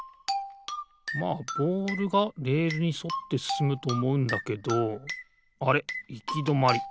まあボールがレールにそってすすむとおもうんだけどあれっいきどまり。